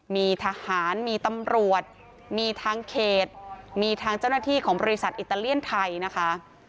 มีทหารมีตำรวจมีทางเขตมีทางเจ้าหน้าที่ของบริษัทอิตาเลียนไทยนะคะ